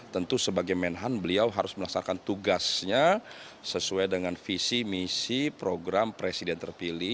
tentu sebagai menhan beliau harus melaksanakan tugasnya sesuai dengan visi misi program presiden terpilih